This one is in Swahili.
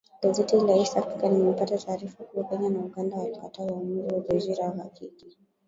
Gazeti la East African limepata taarifa kuwa Kenya na Uganda walikataa uamuzi wa zoezi la uhakiki